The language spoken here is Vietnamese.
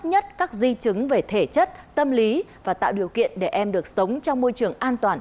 nhất các di chứng về thể chất tâm lý và tạo điều kiện để em được sống trong môi trường an toàn